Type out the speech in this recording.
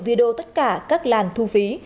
video tất cả các làn thu phí